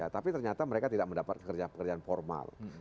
tapi ternyata mereka tidak mendapat pekerjaan formal